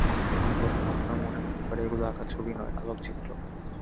কখনো কখনো আপনার মনে হতে পারে, এগুলো আঁকা ছবি নয়, আলোকচিত্র।